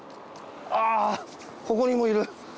あここにもいる！